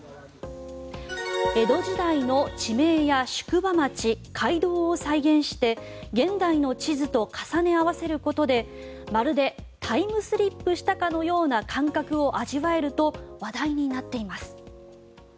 江戸時代の地名や宿場町街道を再現して現代の地図と重ね合わせることでまるでタイムスリップしたかのような感覚を味わえると話題になっています。